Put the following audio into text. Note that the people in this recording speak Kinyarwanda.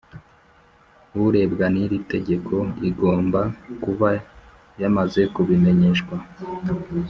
Urebwa n’ iri tegeko igomba kuba yamaze kubimenyeshwa